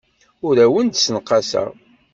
Ur awen-d-ssenqaseɣ.